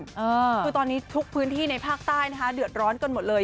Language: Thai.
คือตอนนี้ทุกพื้นที่ในภาคใต้นะคะเดือดร้อนกันหมดเลย